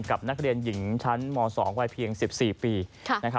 กับนักเรียนหญิงชั้นม๒วัยเพียง๑๔ปี